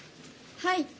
はい。